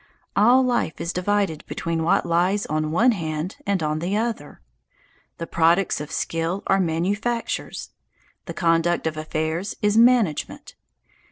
All life is divided between what lies on one hand and on the other. The products of skill are _manu_factures. The conduct of affairs is _man_agement.